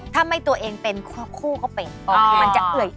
ถ้าไม่ตัวเองเป็นคู่ก็เป็นมันจะเอ่ย